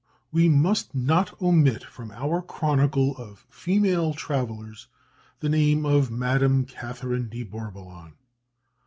We must not omit from our chronicle of female travellers the name of Madame Catherine de Bourboulon.